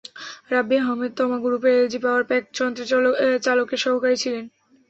রাব্বি আহমেদ তমা গ্রুপের LG power pack যন্ত্রের চালকের সহকারী ছিলেন।